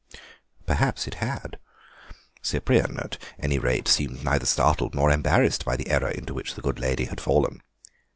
Perhaps it had. Cyprian, at any rate, seemed neither startled nor embarrassed by the error into which the good lady had fallen.